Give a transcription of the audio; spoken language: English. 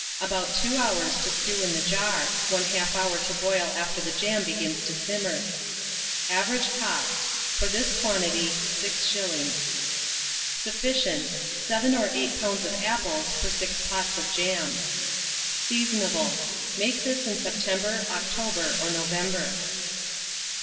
About 2 hours to stew in the jar; 1/2 hour to boil after the jam begins to simmer. Average cost, for this quantity, 6s. Sufficient. 7 or 8 lbs. of apples for 6 pots of jam. Seasonable. Make this in September, October, or November.